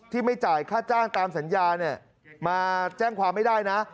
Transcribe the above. ไม่จ่ายค่าจ้างตามสัญญาเนี่ยมาแจ้งความไม่ได้นะ